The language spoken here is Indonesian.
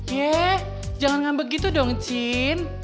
ye jangan ngambek gitu dong cin